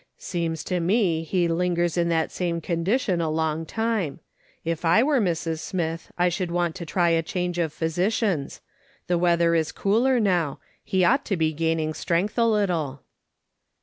" Seems to me he lingers in the same condition a long time. If I were Mrs. Smith I should want to try a change of physicians. The weather is cooler now ; he ought to be gaining strength a little."